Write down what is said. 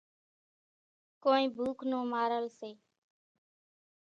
ڪونئين ڀوُک نون مارل سي۔